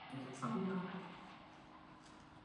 He has also performed other illegal stunts.